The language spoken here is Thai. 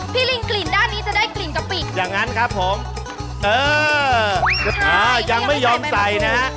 ลิงกลิ่นด้านนี้จะได้กลิ่นกะปิอย่างนั้นครับผมเอออ่ายังไม่ยอมใส่นะฮะ